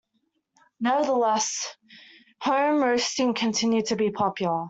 Nevertheless, home roasting continued to be popular.